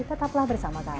tetaplah bersama kami